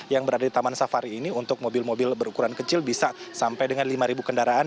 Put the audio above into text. yang berada di taman safari ini untuk mobil mobil berukuran kecil bisa sampai dengan lima ribu kendaraan